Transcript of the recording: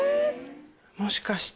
もしかして。